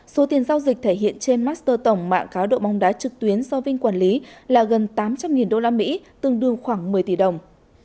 số tiền giao dịch thể hiện trên master tổng mạng cá độ bóng đá trực tuyến do vinh quản lý là gần tám trăm linh usd tương đương khoảng một mươi tỷ đồng